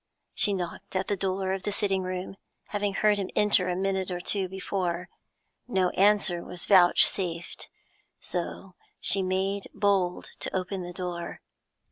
She knocked at the door of the sitting room, having heard him enter a minute or two before; no answer was vouchsafed, so she made bold to open the door.